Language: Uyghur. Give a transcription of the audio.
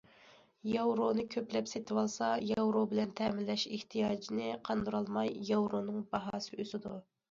مەسىلەن، كىشىلەر ياۋرونى كۆپلەپ سېتىۋالسا، ياۋرو بىلەن تەمىنلەش ئېھتىياجنى قاندۇرالماي، ياۋرونىڭ باھاسى ئۆسىدۇ.